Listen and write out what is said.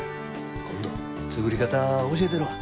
今度作り方教えたるわ。